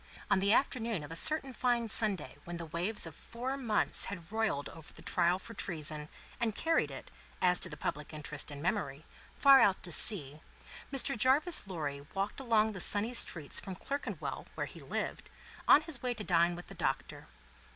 On the afternoon of a certain fine Sunday when the waves of four months had rolled over the trial for treason, and carried it, as to the public interest and memory, far out to sea, Mr. Jarvis Lorry walked along the sunny streets from Clerkenwell where he lived, on his way to dine with the Doctor.